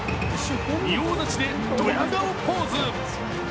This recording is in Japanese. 仁王立ちでどや顔ポーズ。